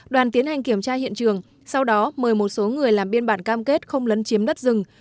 đoàn tiến hành kiểm tra hiện trường sau đó mời một số người làm biên bản cam kết không lấn chiếm đất rừng